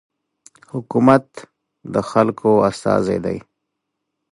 حکومت د خلکو استازی دی.